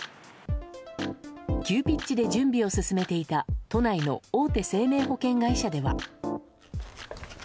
急ピッチで準備を進めていた都内の大手生命保険会社では。